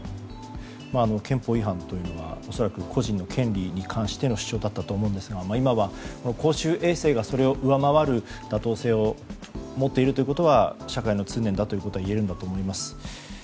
憲法違反というのは恐らく個人の権利に関しての主張だったと思うんですが今は公衆衛生がそれを上回る妥当性を持っているということは社会の通年だということはいえると思います。